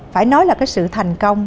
phải nói là cái sự thành công